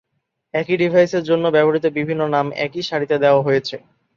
একই ডিভাইসের জন্য ব্যবহৃত বিভিন্ন নাম একই সারিতে দেয়া হয়েছে।